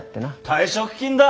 退職金だ？